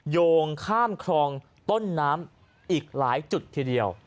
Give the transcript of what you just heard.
โยงข้ามคลองต้นน้ำอีกหลายจุดทีเดียว